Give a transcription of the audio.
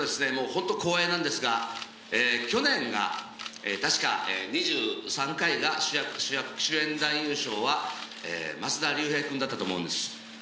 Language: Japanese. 本当、光栄なんですが、去年が確か２３回が主役、主演男優賞は松田龍平君だったと思うんです。